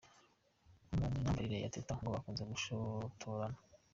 Mu myambarire ya Teta ngo akunze gushotorana.